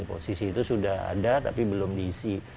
posisi itu sudah ada tapi belum diisi